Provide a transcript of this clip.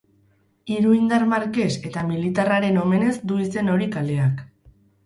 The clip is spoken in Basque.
Iruindar markes eta militarraren omenez du izen hori kaleak.